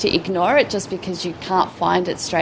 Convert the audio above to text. hanya karena anda tidak bisa menemukannya langsung